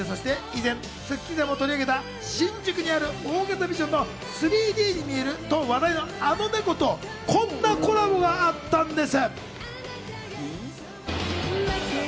そして以前『スッキリ』でも取り上げた新宿にある大型ビジョンの３Ｄに見えると話題のあの猫とこんなコラボもあったんです。